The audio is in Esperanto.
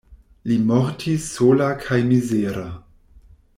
Li mortis sola kaj mizera.